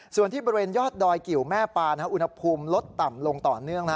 ส่วนที่บริเวณยอดดอยกิวแม่ปานอุณหภูมิลดต่ำลงต่อเนื่อง